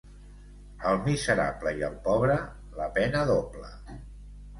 Al miserable i al pobre, la pena doble.